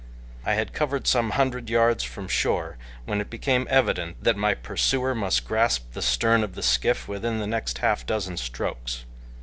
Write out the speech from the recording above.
I had covered some hundred yards from shore when it became evident that my pursuer must grasp the stern of the skiff within the next half dozen strokes.